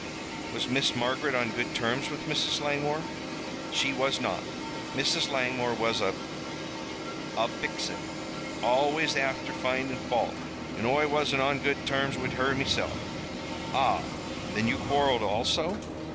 "Was Miss Margaret on good terms with Mrs. Langmore?" "She was not. Mrs. Langmore was a a vixin, always afther findin' fault, an' Oi wasn't on good terms wid her meself." "Ah! Then you quarreled also?"